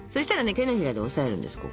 手のひらで押さえるんです。